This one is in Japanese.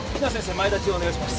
前立ちお願いします